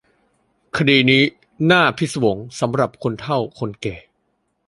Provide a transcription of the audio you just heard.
คดีนี้น่าพิศวงสำหรับคนเฒ่าคนแก่